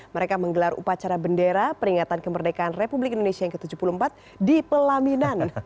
mereka menggelar upacara bendera peringatan kemerdekaan republik indonesia yang ke tujuh puluh empat di pelaminan